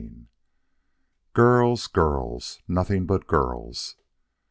XXIII GIRLS, GIRLS! NOTHING BUT GIRLS!